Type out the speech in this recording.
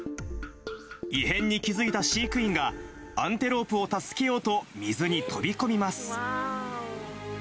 異変に気付いた飼育員が、アンテロープを助けようと、水に飛び込みます。